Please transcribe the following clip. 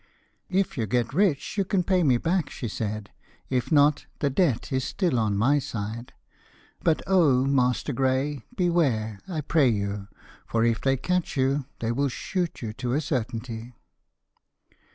'If you get rich, you can pay me back,' she said; 'if not, the debt is still on my side. But, oh, Master Gray, beware, I pray you! for if they catch you, they will shoot you, to a certainty.'